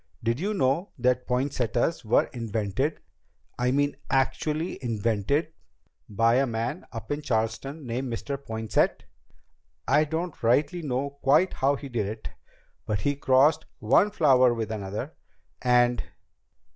Did you know that poinsettias were invented I mean, actually invented by a man up in Charleston named Mr. Poinsett? I don't rightly know quite how he did it, but he crossed one flower with another, and